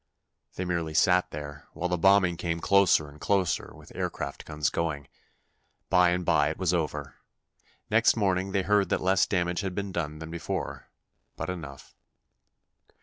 They merely sat there, while the bombing came closer and closer, with aircraft guns going. By and by it was over. Next morning, they heard that less damage had been done than before, but enough.